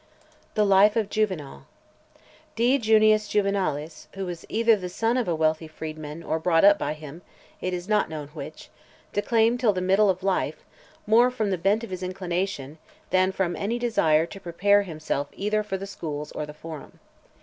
THE LIFE OF JUVENAL. D. JUNIUS JUVENALIS, who was either the son of a wealthy freedman, or brought up by him, it is not known which, declaimed till the middle of life , more from the bent of his inclination, than from any desire to prepare himself either for the schools or the forum.